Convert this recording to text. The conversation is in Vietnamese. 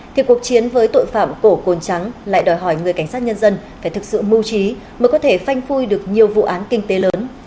thì cuộc chiến với tội phạm cổ cồn trắng lại đòi hỏi người cảnh sát nhân dân phải thực sự mưu trí mới có thể phanh phui được nhiều vụ án kinh tế lớn